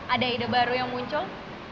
ada ide baru yang muncul